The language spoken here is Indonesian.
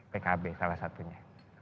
pkb salah satunya